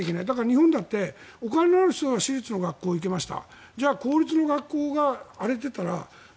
日本だってお金のある人が私立の学校へ行きました